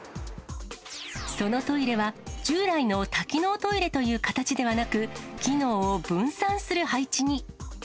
そのトイレは、従来の多機能トイレという形ではなく、機能を分散する配置に。